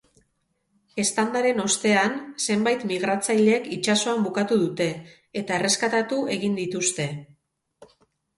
Eztandaren ostean, zenbait migratzailek itsasoan bukatu dute, eta erreskatatu egin dituzte.